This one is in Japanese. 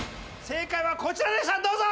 正解はこちらでした。